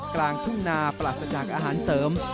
กลางทุ่งนาปราศจากอาหารเสริม